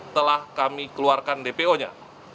telah kami keluarkan dpo nya